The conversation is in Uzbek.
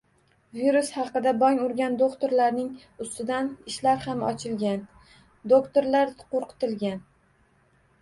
Virus haqida bong urgan doʻktorlarni ustidan ishlar ham ochilgan, doʻktorlar qoʻrqitilgan